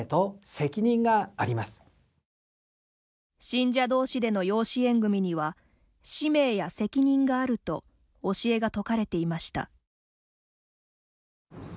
信者同士での養子縁組には使命や責任があると教えが説かれていました。